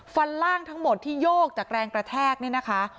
ล่างทั้งหมดที่โยกจากแรงกระแทกเนี่ยนะคะ